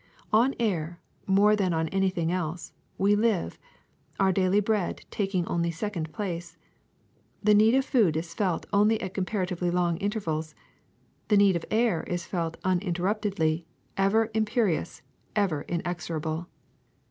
On air, more than on anything else, we live, our daily bread taking only second place. The need of food is felt only at comparatively long intervals ; the need of air is felt uninterruptedly, ever imperious, ever inexorable.